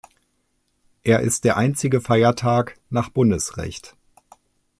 Er ist der einzige Feiertag nach Bundesrecht.